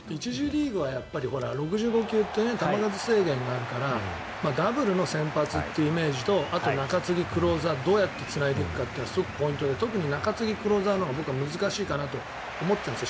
１次リーグは６５球って球数制限があるからダブルの先発というイメージと中継ぎ、クローザーとどうやってつないでいくかというのがポイントで特に中継ぎ、クローザーのほうが難しいかなと思ってるんです。